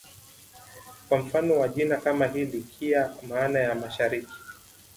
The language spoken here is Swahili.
Kwa mfano wa jina kama hili Kiya maana ya Mashariki